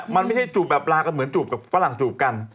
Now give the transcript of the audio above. มันไม่ใช่จูบแบบลากันเหมือนจูบกับฝรั่งจูบกัน